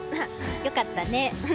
良かったね。